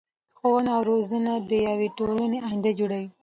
ښوونه او روزنه د يو ټولنی اينده جوړوي .